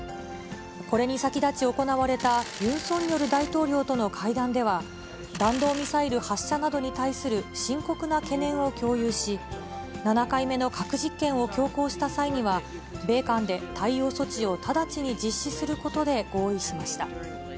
これに先立ち行われた、ユン・ソンニョル大統領との会談では、弾道ミサイル発射などに対する深刻な懸念を共有し、７回目の核実験を強行した際には、米韓で対応措置を直ちに実施することで合意しました。